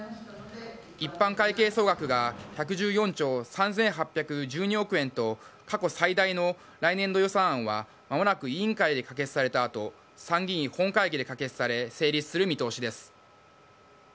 一般会計総額が１１４兆３８１２億円と、過去最大の来年度予算案は、まもなく委員会で可決されたあと、参議院本会議で可決され、成立する見通しです。